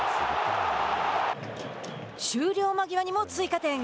終了間際にも追加点。